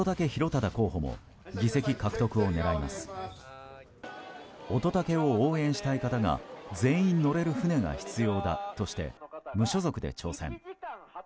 乙武を応援したい方が全員乗れる船が必要だとして無所属で挑戦。